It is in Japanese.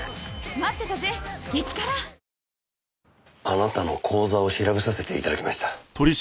あなたの口座を調べさせていただきました。